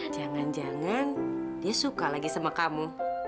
jangan jangan dia suka lagi sama kamu